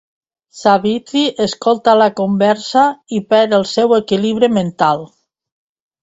Savithri escolta la conversa i perd el seu equilibri mental.